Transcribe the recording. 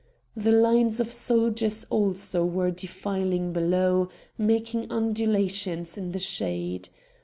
The lines of soldiers also were defiling below, making undulations in the shade.